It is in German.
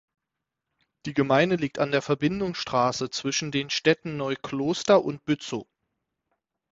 Die Gemeinde liegt an der Verbindungsstraße zwischen den Städten Neukloster und Bützow.